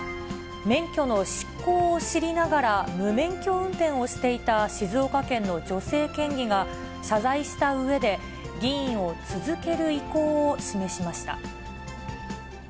免許の失効を知りながら、無免許運転をしていた静岡県の女性県議が、謝罪したうえで、議員を続ける意向を示しました。